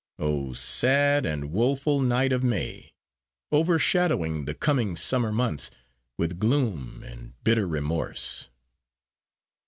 Oh, sad and woeful night of May overshadowing the coming summer months with gloom and bitter remorse!